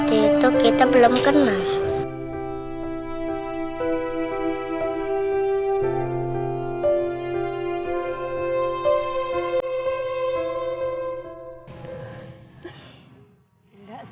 tidak zagarb sus lindas